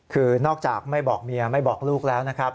คือนอกจากไม่บอกเมียไม่บอกลูกแล้วนะครับ